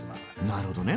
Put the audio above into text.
なるほどね。